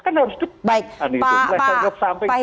kan harus dipertegas